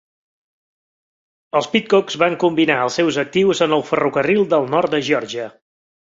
Els Pidcocks van combinar els seus actius en el Ferrocarril del Nord de Geòrgia.